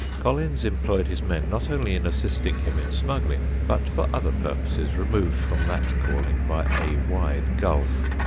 Collins employed his men not only in assisting him in smuggling, but for other purposes removed from that calling by a wide gulf.